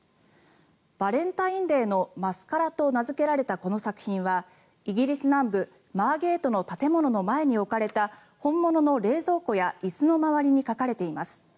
「バレンタインデーのマスカラ」と名付けられたこの作品はイギリス南部マーゲートの建物の前に置かれた本物の冷蔵庫や椅子の周りに描かれています。